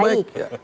cukup baik ya